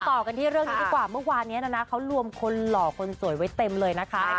ต่อกันที่เรื่องนี้ดีกว่าเมื่อวานนี้นะนะเขารวมคนหล่อคนสวยไว้เต็มเลยนะคะ